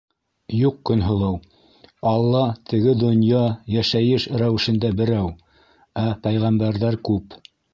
Юҡ, Көнһылыу, Алла «Теге донъя - Йәшәйеш» рәүешендә берәү, ә пәйғәмбәрҙәр күп.